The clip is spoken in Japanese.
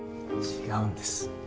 違うんです。